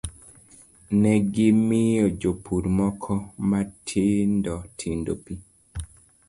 Ne gimiyo jopur moko matindo tindo pi,